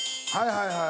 はいはい。